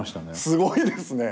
すごいですね。